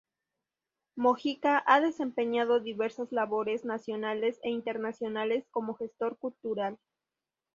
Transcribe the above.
Mojica ha desempeñado diversas labores nacionales e internacionales como gestor cultural.